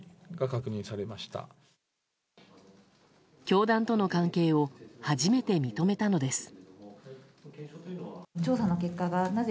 教団との関係を初めて認めたのです。